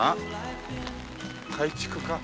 改築か？